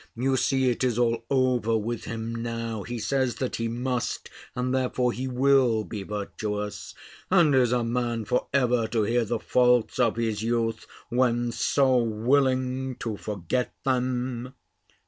You see it is all over with him now. He says, that he must, and therefore he will be virtuous: and is a man for ever to hear the faults of his youth, when so willing to forget them?"